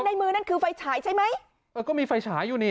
ในมือนั่นคือไฟฉายใช่ไหมเออก็มีไฟฉายอยู่นี่